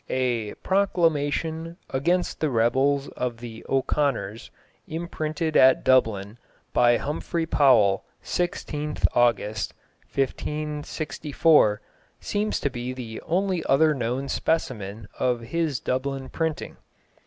A "Proclamation ... against the rebels of the O'Conors.... Imprynted at Dublyn, by Humfrey Powell, 16th August, 1564," seems to be the only other known specimen of his Dublin printing.